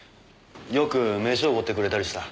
よく飯おごってくれたりした。